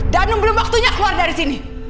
belum waktunya keluar dari sini